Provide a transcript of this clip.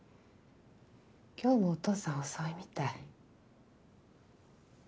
今日もお父さん遅いみたい。